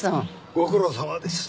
ご苦労さまです。